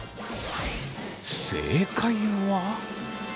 正解は。